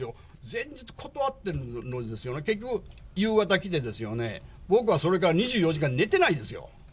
前日断ってるのにですよ、結局、夕方来て、僕はそれから２４時間、寝てないですよ。